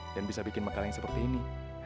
dan bisa bikin makalah yang seperti ini